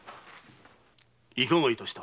いかがいたした？